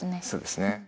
そうですね。